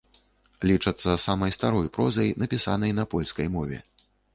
Лічацца самай старой прозай, напісанай на польскай мове.